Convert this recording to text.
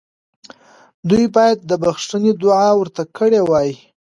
دوی باید د بخښنې دعا ورته کړې وای.